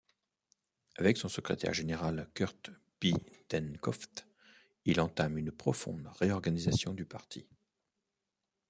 Avec son secrétaire général Kurt Biedenkopf, il entame une profonde réorganisation du parti.